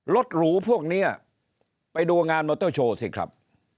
หรูพวกนี้ไปดูงานมอเตอร์โชว์สิครับ